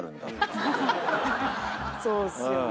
そうっすよね。